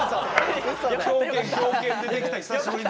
狂犬出てきた久しぶりに。